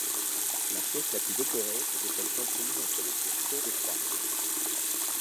La pièce la plus décorée était celle comprise entre les pièces chaudes et froide.